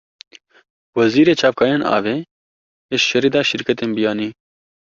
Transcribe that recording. Wezîrê çavkaniyên avê, hişyarî da şîrketên biyanî